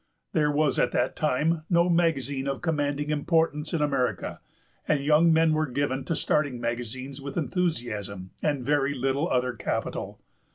There was at that time no magazine of commanding importance in America, and young men were given to starting magazines with enthusiasm and very little other capital.